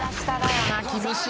厳しい。